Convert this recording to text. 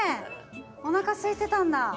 おなかすいてたんだ。